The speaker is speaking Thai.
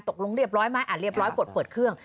ตกลงเรียบร้อยไหมอ่านเรียบร้อยกดเปิดเครื่อง